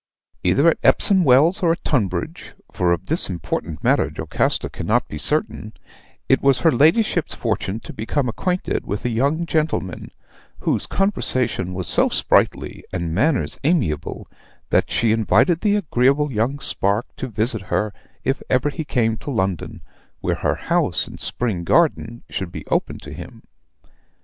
"Either at Epsom Wells or at Tunbridge (for of this important matter Jocasta cannot be certain) it was her ladyship's fortune to become acquainted with a young gentleman, whose conversation was so sprightly, and manners amiable, that she invited the agreeable young spark to visit her if ever he came to London, where her house in Spring Garden should be open to him.